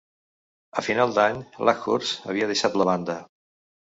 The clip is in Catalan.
A final d'any, Luckhurst havia deixat la banda.